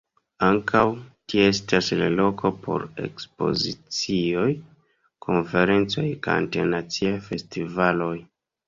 Ankaŭ tie estas la loko por ekspozicioj, konferencoj kaj internaciaj festivaloj.